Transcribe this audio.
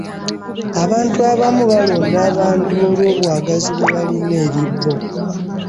Abantu abamu balonda abantu olw'obwagazi bwe balina eri no.